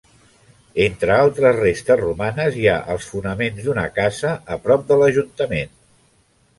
Entre altres restes romanes hi ha els fonaments d'una casa a prop de l'ajuntament.